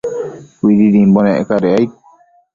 Cuididimbo nec cadec aid